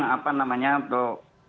apa namanya untuk